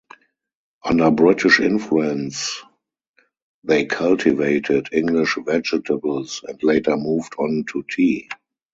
Under British influence they cultivated English vegetables and later moved on to tea.